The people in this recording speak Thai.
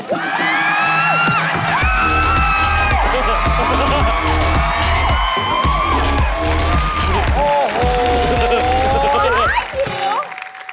หิว